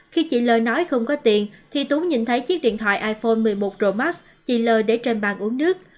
khi chị lờ nói không có tiền thì tú nhìn thấy chiếc điện thoại iphone một mươi một pro max chị lờ để trên bàn uống nước